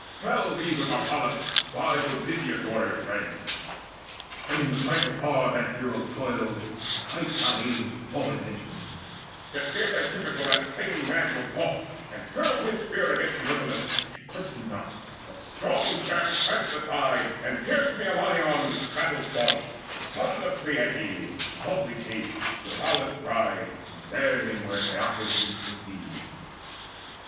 Fell with these Harpalus, wise Odysseus' warrior friend; But in the fight afar that hero toiled, And might not aid his fallen henchman: yet Fierce Antiphus for that slain man was wroth, And hurled his spear against Eurypylus, Yet touched him not; the strong shaft glanced aside, And pierced Meilanion battle staunch, the son Of Cleite lovely faced, Erylaus' bride, Who bare him where Caicus meets the sea.